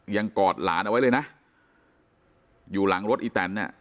กอดหลานเอาไว้เลยนะอยู่หลังรถอีแตนเนี่ย